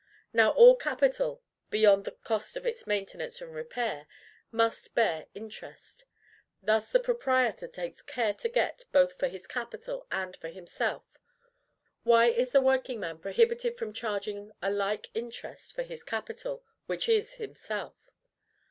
Now, all capital, beyond the cost of its maintenance and repair, must bear interest. This the proprietor takes care to get, both for his capital and for himself. Why is the workingman prohibited from charging a like interest for his capital, which is himself?